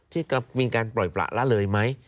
ที่มีการปล่อยประละเลยไหม